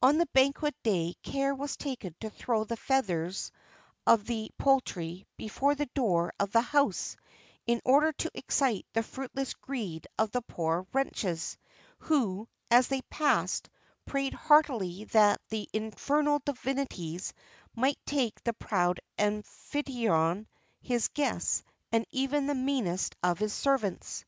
On the banquet day care was taken to throw the feathers of the poultry before the door of the house, in order to excite the fruitless greed of the poor wretches, who, as they passed,[XXX 42] prayed heartily that the infernal divinities might take the proud amphitryon, his guests, and even the meanest of his servants.